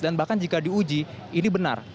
dan bahkan jika diuji ini benar